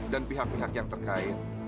dan pihak pihak yang terkait